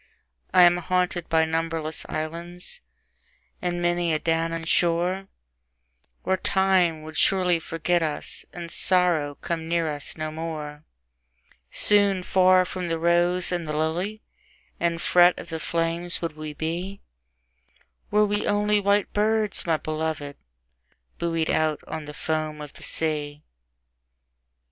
I am haunted by numberless islands, and many a Danaan shore, Where Time would surely forget us, and Sorrow come near us no more; Soon far from the rose and the lily, and fret of the flames would we be, Were we only white birds, my beloved, buoyed out on the foam of the sea!